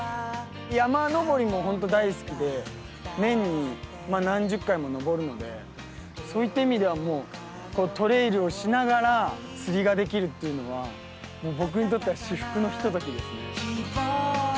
山登りもほんと大好きで年にまあ何十回も登るのでそういった意味ではもうこうトレイルをしながら釣りができるっていうのはもう僕にとっては至福のひとときですね。